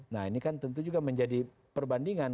nah ini kan tentu juga menjadi perbandingan